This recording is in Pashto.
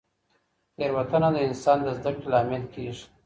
تېروتنه د انسان د زده کړې لامل کیږي.